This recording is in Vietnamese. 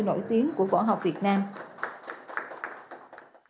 nổi tiếng của võ học việt nam